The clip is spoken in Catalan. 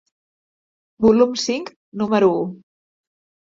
Volum cinc, número u.